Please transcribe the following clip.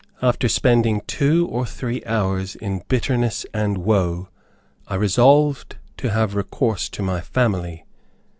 After spending two or three hours in bitterness and woe, I resolved to have recourse to my family.